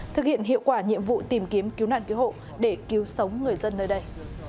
thực hiện hiệu quả nhiệm vụ tìm kiếm cứu nạn cứu hộ để cứu sống người dân nơi đây